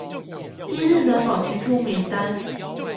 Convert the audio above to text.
今日能否提出名單？